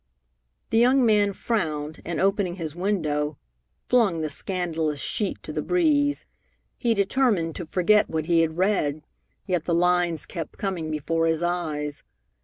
The young man frowned and, opening his window, flung the scandalous sheet to the breeze. He determined to forget what he had read, yet the lines kept coming before his eyes.